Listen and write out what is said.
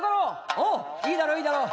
「おういいだろういいだろう」。